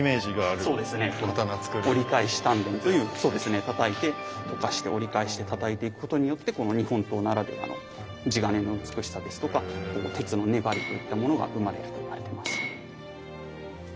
この折り返し鍛錬というたたいて溶かして折り返してたたいていくことによってこの日本刀ならではの地鉄の美しさですとか鉄の粘りといったものが生まれると言われています。